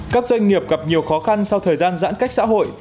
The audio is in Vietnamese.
các doanh nghiệp gặp nhiều khó khăn sau thời gian giãn cách xã hội